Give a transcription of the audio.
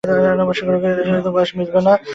আবার অনাবশ্যক বেগের সঙ্গে বলে উঠল, বয়সে মিলবে না।